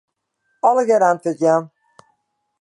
Allegearre antwurd jaan.